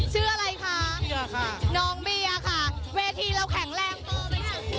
ชื่ออะไรคะน้องเบียร์ค่ะเวทีเราแข็งแรงเพิ่มไหมคะ